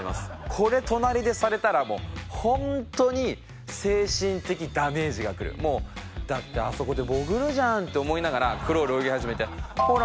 これ隣でされたらもう本当にもうだってあそこで潜るじゃんって思いながらクロール泳ぎ始めてほら